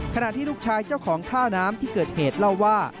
ขณะที่ลูกชายเจ้าของท่าน้ำที่เกิดเหตุเล่าว่า